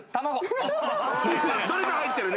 どれか入ってるね。